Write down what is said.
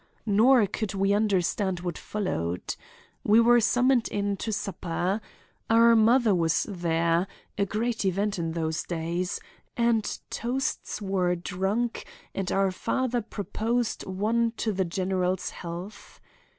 Nor could we understand what followed. We were summoned in to supper. Our mother was there—a great event in those days—and toasts were drunk and our father proposed one to the general's health.